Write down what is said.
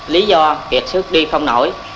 lý do kiệt sức đi không nổi